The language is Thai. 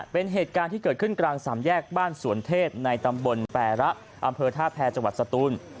เป็นเหตุการณ์ที่เกิดขึ้นกลางสามแยกบ้านสวนเทพในตำบลแประอำเภอท่าแพรจังหวัดสตูน